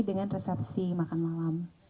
dengan resepsi makan malam